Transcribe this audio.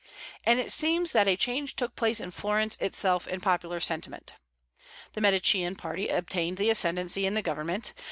And it seems that a change took place in Florence itself in popular sentiment. The Medicean party obtained the ascendency in the government.